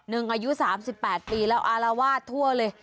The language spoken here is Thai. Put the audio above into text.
อายุ๓๘ปีแล้วอารวาสทั่วเลย